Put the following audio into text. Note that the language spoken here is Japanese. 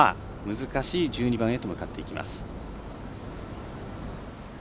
難しい１２番へと向かっていきます。